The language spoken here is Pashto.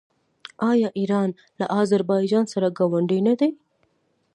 آیا ایران له اذربایجان سره ګاونډی نه دی؟